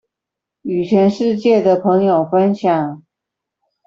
與全世界的朋友分享